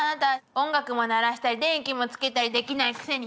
音楽も鳴らしたり電気もつけたりできないくせに。